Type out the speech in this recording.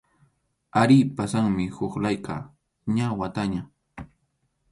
Arí, pasanmi huk layqa, ña wataña.